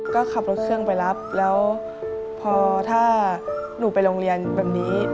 ก็ขับรถเครื่องไปรับแล้วพอถ้าหนูไปโรงเรียนแบบนี้